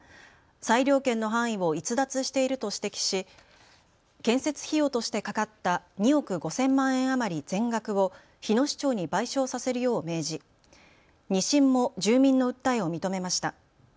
裁量権の範囲を逸脱していると指摘し建設費用としてかかった２億５０００万円余り全額を日野市長に賠償させるよう命じ２審も住民の訴えを認めました。